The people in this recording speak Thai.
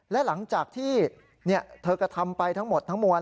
และหลังจากที่เธอกระทำไปทั้งหมดทั้งมวล